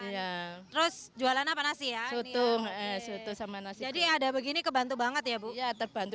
ya terus jualan apa nasi ya soto soto sama nasi jadi ada begini kebantu banget ya bu ya terbantu